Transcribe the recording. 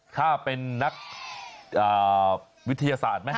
ถ้าเป็นนักวิทยาศาสตร์ไหม